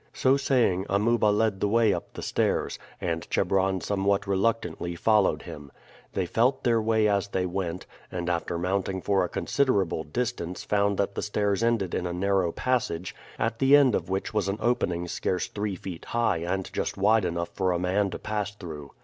So saying Amuba led the way up the stairs, and Chebron somewhat reluctantly followed him. They felt their way as they went, and after mounting for a considerable distance found that the stairs ended in a narrow passage, at the end of which was an opening scarce three feet high and just wide enough for a man to pass through.